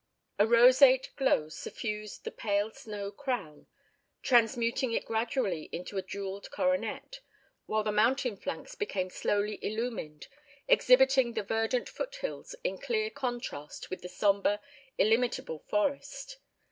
A roseate glow suffused the pale snow crown, transmuting it gradually into a jewelled coronet, while the mountain flanks became slowly illumined, exhibiting the verdant foot hills, in clear contrast with the sombre, illimitable forest.